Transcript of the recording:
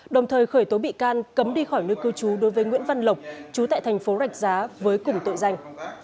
đồng thời khởi tố bị can cấm đi khỏi nơi cư trú đối với nguyễn văn lộc chú tại thành phố rạch giá với cùng tội danh